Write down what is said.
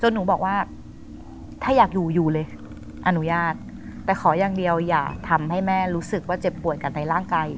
หนูบอกว่าถ้าอยากอยู่อยู่เลยอนุญาตแต่ขออย่างเดียวอย่าทำให้แม่รู้สึกว่าเจ็บป่วยกันในร่างกาย